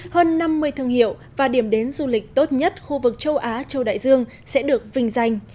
hơn năm mươi thương hiệu và điểm đến du lịch tốt nhất khu vực châu á châu đại dương sẽ được vinh danh